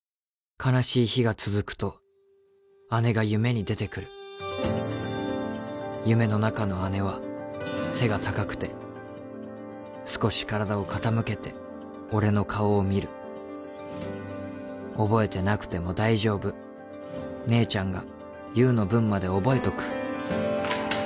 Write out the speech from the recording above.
悲しい日が続くと姉が夢に出てくる夢の中の姉は背が高くて少し体を傾けて俺の顔を見る「覚えてなくても大丈夫」「姉ちゃんが優の分まで覚えとく」